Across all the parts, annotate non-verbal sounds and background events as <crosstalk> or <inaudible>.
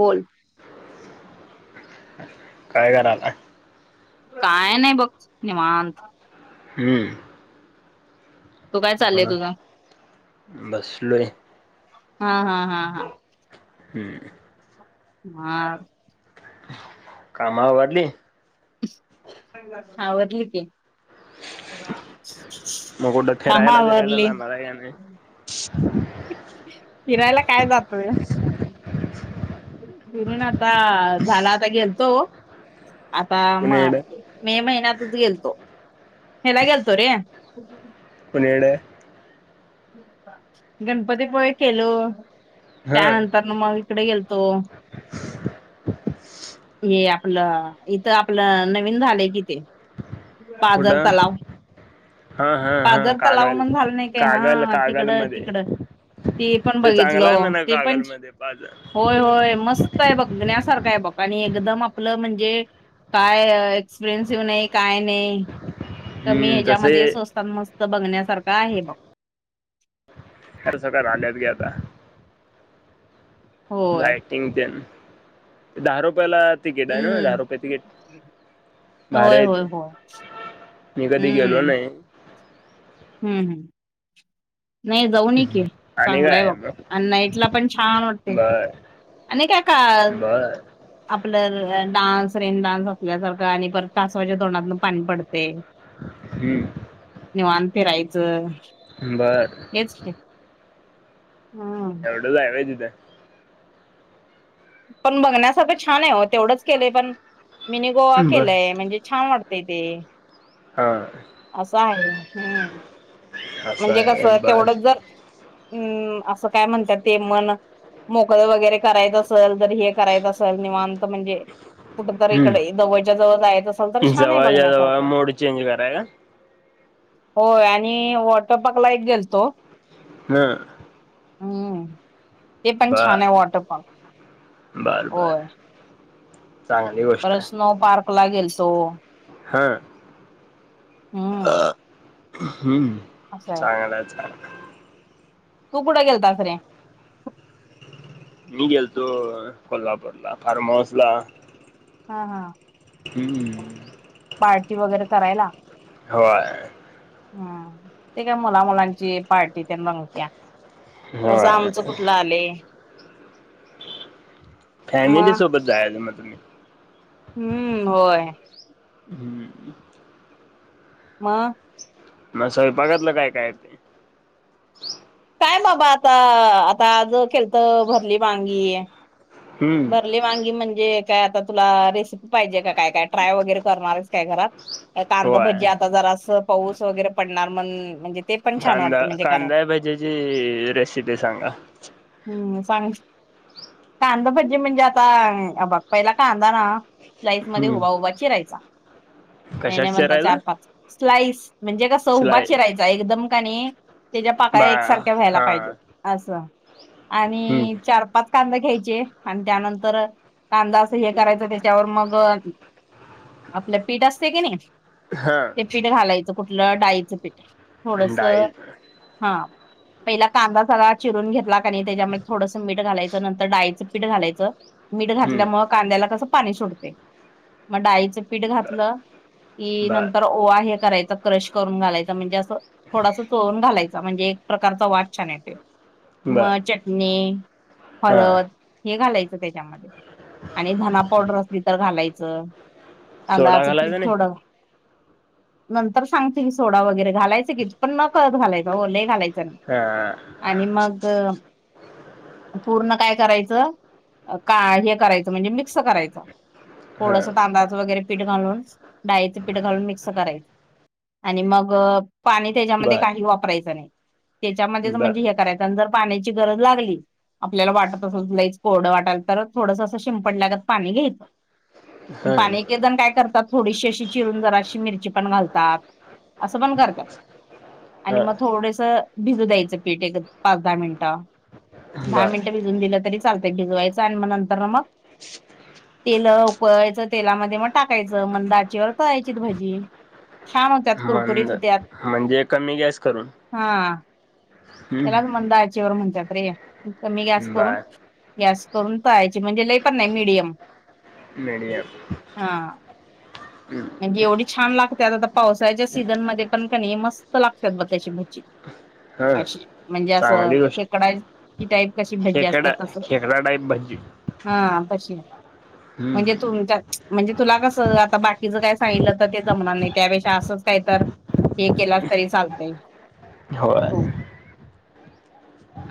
बोल. काय करालाय? काय नाही बघ निवांत हम्म. तू काय चालय तुझ? बस. हा हा हा हा. हम्म. <unintelligible> कामा आ वढली. आवरली की मग कुठं काम फेरायला बीरायला आवरली जाणार आहे याने फिरायला काय जातोय. घिरून आता झाला आता गेलतो. आता म पुणेड मे महिन्यात त <unintelligible> गेलतो हेला गल्तो रे कोणीकड? गणपतीपुळे केलो हा त्यानंतर न मग इकडे गेलतो. ये आपलं इथं आपलं नवीन झालंय कि ते- पाजर कुठं तलाव हा हा हा पाजर तलाव कागल म्हण झालं नाही काय कागल हा तिकड कागलमध्ये तिकडं. ते पण चांगला आहे बघितलं म्हणा ते पण कागलमध्ये पाज होय होय मस्त आहे बघण्या सारखं आहे बघ आणि एकदम आपलं म्हणजे काय एक्सपरेन्सिव नाही काय नाही कमी हम्म तसे हच्यामध्येच स्वस्तात मस्त. बघण्यासारखं आहे बघ. अर्जदार आल्यात घे आता होय लायटिंग तेन दहारू. याला टिकीट आहे ना हम्म दहा रुपये टिकीट भारी होय आहे होय ते होय मी कधी गेलो नाही. हू हू. नाही जाऊन ये की आणि काय चांगलंय आहे बघ मग आणि नाईट ला पण छान वाटतंय. बर आणि काय काल बर आपलं डान्स, रेन डान्स असल्यासारखं आणि परत कासवाच्या तोंडातंन पाणी पडतय. हुं निवांत फिरायच बर हम्म. एवढच हाय व्हय तिथं पण बघण्यासारखं छान आहे हो तेवढंच केलंय पण मिनी गोवा बर केलंय म्हणजे छान वाट तय ते हा. आसं आहे हम् असं म्हणजे कस आहे बर तेवढंच जर हुं आसं काय म्हणत्यात ते मन मोकळं वगैरे करायच असल तर, हे करायच असल निवांत म्हणजे कुठ तर इकडे हम्म जवळच्या जवळ जायचं असल तर छान आहे जवळच्या जवळ बघण्यासारखं. मोड चेंज कराय का होय आणि वॉटरपाकला एक गेलतो. हा हुं ते पण छान बर आहे वॉटर पार्क बर बर होय. चांगली गोष्ट परत आहे स्नो पार्क ला गेलतो. हा हुं हू चांगल हाय चांग तू कुठं गेलतास रे? मी गेलतो कोल्हापूरला फार्म हाऊस ला. हा हा हू पार्टी वगैरे करायला? व्हय हा ते काय मुला मुलांची पार्टी तेन रंगत्या तसं होय आमचं कुठलं आलय फॅमिली सोबत जायच मग तुम्ही. हुं होय. म मग सगळ बघतलं काय काय ते काय बाबा आता आता आज केलत भरली वांगी हम्म भरली वांगी म्हण णजे काय आता तुला रेसिपी पाहिजे का काय काय ट्राय वगैरे करणार हाईस काय घरात? काय होय कांदभजी आता जरासं पाऊस वगैरे पडणार म्हण म्हणजे ते पण छान कांदा वाटते म्हणजे कराय. कांदा भजीची रेसिपी सांगा. हम्म सांग कांदा भाजी म्हणजे आता हे बघ पहिला कांदा ना स्लाईस मध्ये हम्म उभा उभा चिरायचा नाही कशात नाही म्हणता चिरायला चार पाच स्लाईस म्हणजे कसं उभा शिलाई चिरायचा एकदम कनी तेज्या बा पाकळ्या एकसारख्या व्हायला हा पाहिजे आसं हम्म आणि चार पाच कांद घ्यायचे आणि त्यानंतर कांदा असं हे करायचं त्याच्यावर मग आपलं पीठ असतय कणी हा ते पीठ घालायचं कुठलं डाळीचं पीठ थोडस डाळी हा पहिला कांदा सगळा चिरून घेतला कनी त्याच्यामधे थोडंस मीठ घालायचं नंतर डाळीचं पीठ घालायचं मीठ हम्म घातल्यामुळ कांद्याला कस पाणी सुडतय म डाळीचं पीठ घातलं की बर नंतर ओवा हे करायचा क्रश करून घालायचा म्हणजे असं थोडासा चोळून घालायचा म्हणजे एक प्रकारचा वास छान येतोय. म बर चटणी, हा हळद, हे घालायचं त्याच्यामध्ये आणि धना पावडर असली तर घालायचं. सोडा तांदळाचं पीठ घालायचा नाही थोडं नंतर सांगते की, सोडा वगैरे घालायचं की, पण नकळत घालायच ओ लई घालायच च हा आणि मग पूर्ण काय करायचं का हे करायचं म्हणजे मिक्स करायचं. हा थोडस तांदळाचं वगैरे पीठ घालून डाळीचं पीठ घालून मिक्स करायचं आणि मग पाणी त्याच्यामध्ये बर काही वापरायचं नाही. ते च्या मधेच म्हणजे बर हे करायचं आणि जर पाण्याची गरज लागली आपल्याला वाटत असेल लईच कोरड वाटाल तर थोडंस असं शिंपडल्यागत पाणी घ्यायचं. हा पाणी घेतान काय करतात थोडीशी अशी चिरून जराशी मिरची पण घालतात. असं पण करत्यात. आणि हा मग थोडस भिजू द्यायचं पीठ एक पाच दहा मिनिटं. दहा बर मिनटं भिजून दिलं तरी चालतंय भिजवायचं आणि म नंतर मग तेल उकळवायचं तेलामध्ये म टाकायचं मंद आचेवर तळायची भजी. छान होत्यात कुरकुरीत मंद होत्यात. म्हणजे कमी गॅस करून. हा त्यालाच हम्म मंदाचीवर म्हणतात रे कमी गॅस बर करून गॅस करून पहायची म्हणजे लई पण नाही मिडियम. मीडियम. म्हणजे एवढी छान लागत्यात आता त पावसाळ्याच्या सीझन मध्ये पण का नाही मस्त लागतात बघ त्याची भजी. हा <unintelligible> अशी म्हणजे असं चांगली गोष्ट खेकडा ची टाईप कशी भजी असत खेकडा तसं. खेकडा टाईप भाजी हा तशी म्हणजे हम्म तुमच्या म्हणजे तुला कस आता बाट टीच काय सांगितल तर ते जमणार नाही त्यापेक्षा असच काही तर हे केलात तरी चालतय. होय.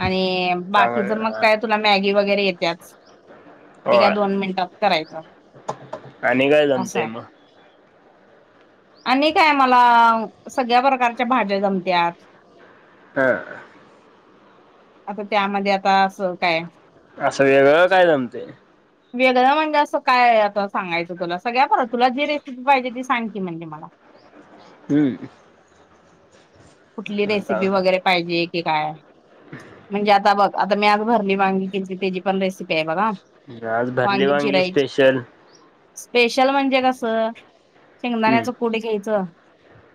आणि चांगल बाकीच मग काय तुला मॅगी वगैरे येत त्याच ते काय होय दोन मिनिटात करायच. आणि काय जमतय मग. <inaudible> आणि काय मला सगळ्या प्रकारच्या भाज्या जमत्यात. ह आता त्यामध्ये आता अस काय. असं वेगळं काय जमतेय. वेगळ म्हणजे असं काय आता सांगायचं तुला सगळ्या भा तुला जी रेसिपी पाहिजे ती सांग की, म्हणजे मला. हम्म. कुठली आता रेसिपी वगैरे पाहिजे की काय म्हणजे आता बघ आता मी आज भरली वांगी केलती त्याची पण रेसिपी आहे बघ हा. आज भरली वांगी स्पेशल. स्पेशल म्हणजे कसं हम्म शेंगदाण्याचं कुट घ्यायचं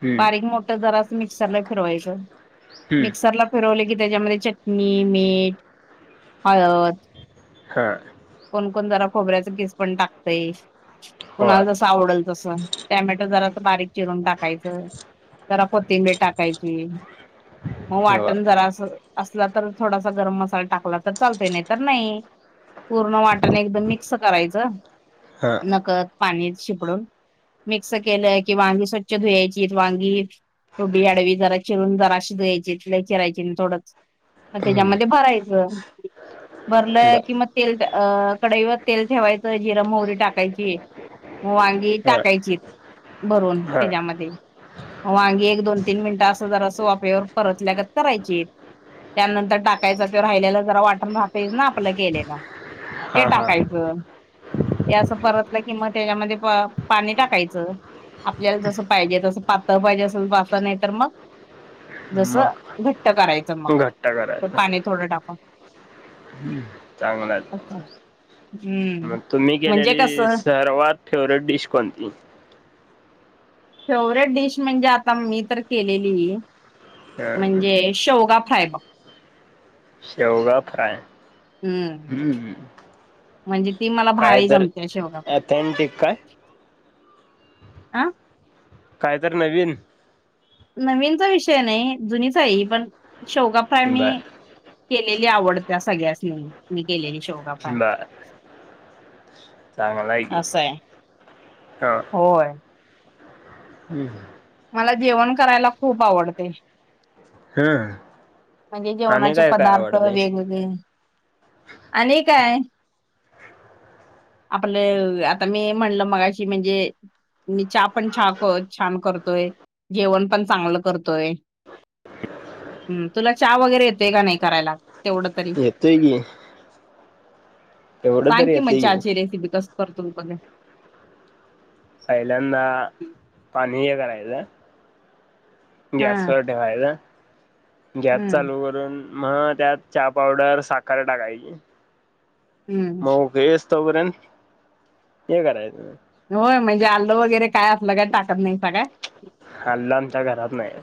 हम्म बारीक मोठ जरा. मिक्सरला फिरवायच हम्म मिक्सरला फिरवलं की, त्याच्यामध्ये चटणी, मीठ, हळद हा कोण कोण जरा खोबऱ्याचा कीस पण टाकतंय. होय कोणाला जस आवडेल तस टोमॅटो जरा असं बारीक चिरून टाकायचं. जरा कोथिंबीर टाकायची. मग वाटण होय जरा अस असलं तर थोडासा गरम मसाला टाकला तर चालतोय नाही तर नाही. पूर्ण वाटण एकदम मिक्स करायचं हा नकळत पाणी शिपडून मिक्स केलं की, वांगी स्वच्छ धुवायचीत वांगी उभी आडवी जरा चिरून जराशी धुवायची आणि चिरायची थोडंच. मग त्याच्यामध्ये भरायचं भरलं बर कि, मग तेल अ कढईवर तेल ठेवायचं, जिरं मोहरी टाकायची. मग वांगी हा टाकायची भरून हा त्याच्यामध्ये. मग वांगी एक दोन-तीन मिनिटं असं जरा असं वापेवर परतल्यागत करायची. त्यानंतर टाकायचं असल्यावर राहिलेल जरा वाटण राहतायच ना आपला केलेलं. हा ते हा टाकायचं. ते असं परतलं कि, मग त्याच्यामध्ये पाणी टाकायचं. आपल्याला जसं पाहिजे तसं, पातळ पाहिजे असल पातळ असेल नाही तर मग. जसं मग घट्ट करायचं मग, घट्टा करायचा पाणी थोडं टाकून. चांगलं आहे. हम्म मग तुम्ही म्हणजे केलेली कसं सर्वात फेवरेट डिश कोणती? फेवरेट डिश म्हणजे आता मी तर केलेली. हा म्हणजे शेवगा फ्राय बग. शेवगा फ्राय हम्म. म्हणजे ती मला भारी जमते, शेवगा फ्राय. ऑथेंटिक काय आ. काय तर नवीन. नवीनचा विषय नाही, जुनीच आहे पण शेवगा फ्राय बर मी. केलेली आवडत्या, सगळ्यांसनी, मी केलेली शेवगा. फ्राय बर <unintelligible> चांगला की असं आहे! होय. हम. मला जेवण करायला खूप आवडतय. हम. म्हणजे जेवणाचे पदार्थ वेगवेगळे. आणि काय? <unintelligible> आपलं आता मी म्हणलं मघाशी म्हणजे. मी चहा पण छान करतोय, जेवण पण चांगलं करतोय. हम्म, तुला चहा वगैरे येतोय का नाही करायला? तेवढं तरी येतोय की. एवढं सांग तरी की मग, येतंय चहाची रेसिपी कस करतोस तू बघूया. पहिल्यांदा पाणी हे करायचं. हा गॅसवर ठेवायचा, गॅस हम्म चालू करून. मग त्यात चहा पावडर साखर टाकायची. हम्म मग उकळी येऊ पर्यंत हे करायचं. होय म्हणजे आलं वगैरे काय असलं काय टाकत नाहीसा काय. अल्ल आमच्या घरात नाही.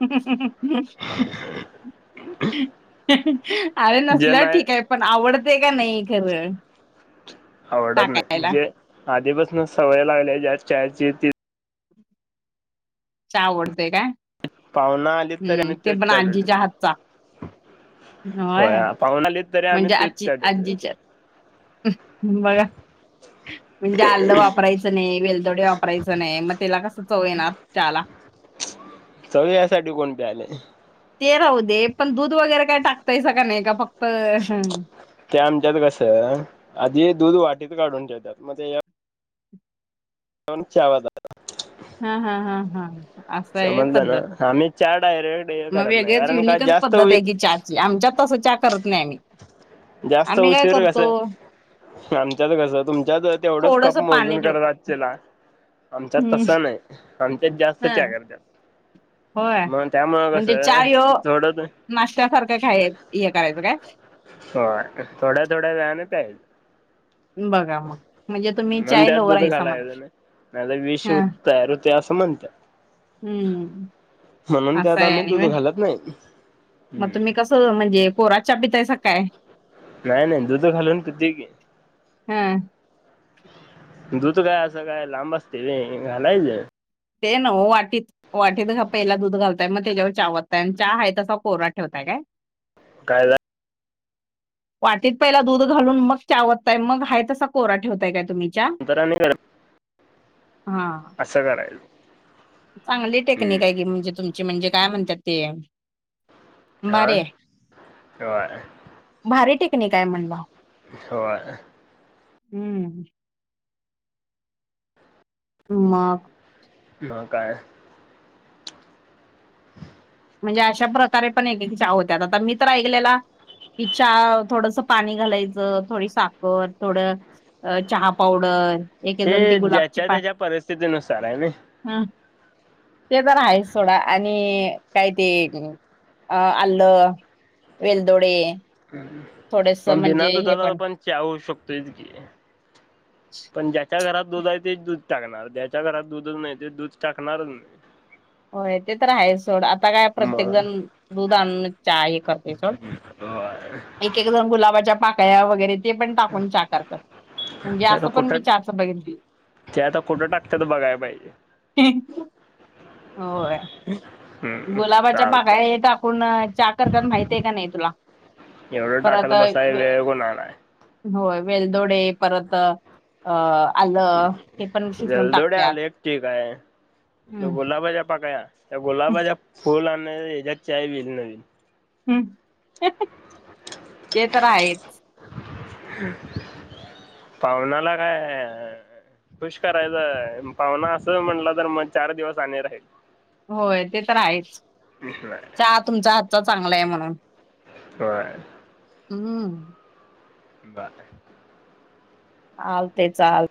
<unintelligible> अरे जे नसल्यावर नाही ठीक आहे, या पण आवडते का नाही खरं. आवडत नाही, टाकायला जे आधीपासून सवय लागल्या ज्या चहाची ती. चहा आवडतोय काय? पाहुन आली तरी हम्म आम्ही ते तेच पण चहा करतो. आजीच्या हातचा होय, पाहुन आलीत तरी आम्ही म्हणजे तोच आजी चहा देतोय. आजीच्या बघा. म्हणजे आलं वापरायचं नाही, वेलतोडे वापरायच नाही, मग त्याला कस चव येणार चहाला. चव यासाठी कोण प्यालय. ते राहू दे पण दूध वगैरे काय टाकतायस का नाही, का फक्त. त्या आमच्यात कस, आधी दूध वाटीत काढून ठेवतात, मग तेज्या वणच्यावा द <unintelligible> हा, हा, हा, हा. असं आहे समजलं पद्धत ना आम्ही चार डायरेक्ट हे मग करत नाही वेगळेच कारण का युनिकच जास्त पद्धत उ आहे की चाहची आमच्या तस चा करत नाही आम्ही. जास्त आम्ही काय उशीर कस करतो आमच्यात कस तुम त तेवढंच थोडस कप पाणी मोजून करत ठेवतो आजचेला. आमच्यात हम्म तसं नाही आमच्यात जास्त हा चहा घेत्यात. होय मग त्यामुं कसं आहे थोडं नाशत्यासारखं खय हे करायचं काय. हो थोड्या थोड्या वनत आहेत. बघा मग म्हणजे तुम्ही म्ह चाय त्यात लवर द हायसा खाला म्हणायचं नाहीता वीष हा हो तर होते. ते असं म्हणत्या. हम्म म्हणून त्या असं आत आहे आम्ही आणि दुध व्हय घालत नाहीत. मग तुम्ही कसं म्हणजे कोरातच्याचा बितायचं काय. नाही नाही दुध घालून पिते की. हा <unintelligible> दूध काय असं काय लांब असते घालायचं. ते ना वाटीत वाटत खप- पहिला दूध घालताय मग त्याच्यावर चाओतताय आणि हा आहे तसा कोरा ठेवताय काय. कायला. वाटीत पहिला दूध घालून मग चावतताय मग हा तसा कोरा ठेवताय काय. तुमच्या नंतर आणि हा असं करायचं चांगली टेक्निक आहे की हम्म म्हणजे तुमची म्हणजे काय म्हणतात ते आं. भारी आहे. व्हय भारी टेक्निक आहे म्हणलं व्हय. हम्म. हम्म मग. ह काय. <unintelligible> म्हणजे अशा प्रकारे पण एक एक चहा होत्या आता मी तर ऐकलेला कि चहा थोडस पाणी घालायचं थोडी साखर थोड अ चहा पावडर एक ते एजण ती गुलाबची ज्याच्या पा त्याच्या परिस्थितीनुसार आहे ना ह ते तर आहेच सोडा आणि कायती अ आलं वेलदोडे थोडेस मग बिना म्हणजे हे दुधाला पण चा होऊ शकतो इत की. पंजा च्या घरात दूध आहे ते दूध टाकणार त्याच्या घरात दूधच नाही ते दूध टाकणारच नाही. होय ते तर आहेच. सड आता काय प्रत्येक मग जण दूध आणून चाहा हे करते सोड एक एक जण गुलाबाच्या पाक्या वगैरे ते पण टाकून चाहा करतात. म्हणजे ते आता असं पण कुठं मी चाहाच बघितली ते आता कुठं टाकत तर बघाय पाहिजे. होय. हम्म गुलाबाच्या पाका चालतंय येत आपण करतात माहित आहे का नाही तुला एवढं परत टाकत बसाय वे- वेळ कोणा आलाय. होय वेलदोडे परत अ आलं हे पण शटून जलदोडे टाकत्यात आले एक ठीक आहे हम्म. गुलाबाच्या पाकळ्या त्या गुलाबाच्या फुल आणि ह्याच्यात चाय बिल नवीन हम्म ते तर आहेच. पाहुनाला काय खुश करायचंय पाहुना असं म्हटलं तर मग चार दिवस आणि राहील. होय ते तर आहेच चहा तुमचा हातचा चांगला आहे म्हणून <unintelligible> हम्म. बाय. आल ते चाल